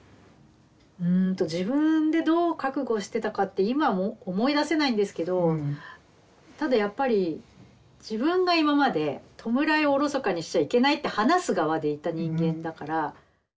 うんと自分でどう覚悟してたかって今も思い出せないんですけどただやっぱり自分が今まで弔いをおろそかにしちゃいけないって話す側でいた人間だから。